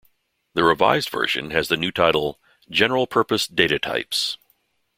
The revised version has the new title "General Purpose Datatypes".